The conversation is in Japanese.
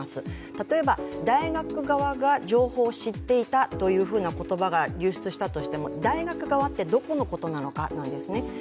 例えば、大学側が情報を知っていたというような言葉が流出したとしても大学側ってどこのことなのかなんですね。